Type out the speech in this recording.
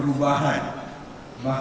dan maka kita harus berkembang